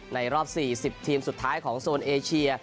รอบ๔๐ทีมสุดท้ายของโซนเอเชีย